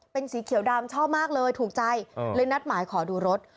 เป็นสีเขียวดำชอบมากเลยถูกใจเลยนัดหมายขอดูรถ